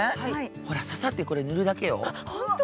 ほら、ささって塗るだけよ。